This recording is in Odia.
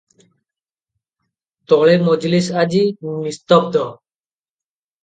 ତଳେ ମଜଲିସ ଆଜି ନିସ୍ତବ୍ଧ ।